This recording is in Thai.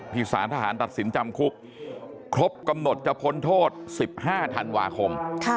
สารทหารตัดสินจำคุกครบกำหนดจะพ้นโทษ๑๕ธันวาคม